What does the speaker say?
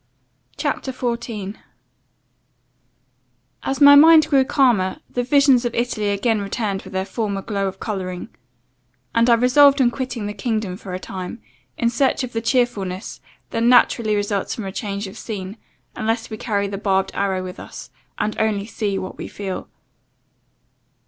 CHAPTER 14 "AS MY MIND grew calmer, the visions of Italy again returned with their former glow of colouring; and I resolved on quitting the kingdom for a time, in search of the cheerfulness, that naturally results from a change of scene, unless we carry the barbed arrow with us, and only see what we feel.